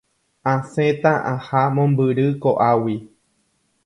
Asẽta aha mombyry ko'águi.